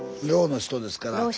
ろうの人ですから。